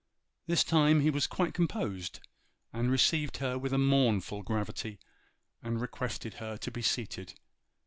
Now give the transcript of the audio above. This time he was quite composed, and received her with a mournful gravity, and requested her to be seated.